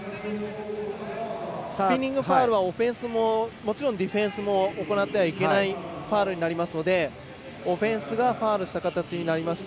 スピニング・ファウルはオフェンスももちろんディフェンスも行ってはいけないファウルになりますのでオフェンスがファウルした形になりました。